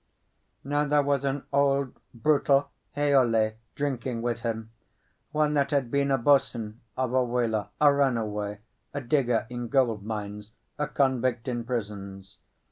Now there was an old brutal Haole drinking with him, one that had been a boatswain of a whaler, a runaway, a digger in gold mines, a convict in prisons.